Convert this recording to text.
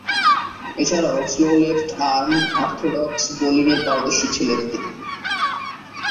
এছাড়াও, slow left arm orthodox বোলিংয়ে পারদর্শী ছিলেন তিনি।